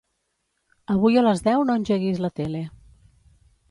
Avui a les deu no engeguis la tele.